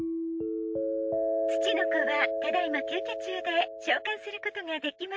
ツチノコはただ今休暇中で召喚することができません。